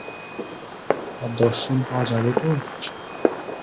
তাঁর দর্শন পাওয়া যাবে তো?